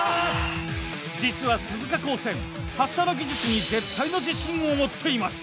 実は鈴鹿高専発射の技術に絶対の自信を持っています。